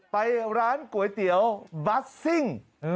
ไปร้านก๋วยเตี๋ยวบัสซิ่ง